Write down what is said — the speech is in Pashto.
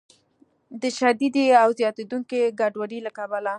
د شدیدې او زیاتیدونکې ګډوډۍ له کبله